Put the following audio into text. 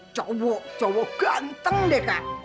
cowok cowok ganteng deh kak